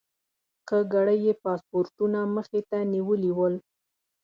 ښه ګړی یې پاسپورټونه مخې ته نیولي ول.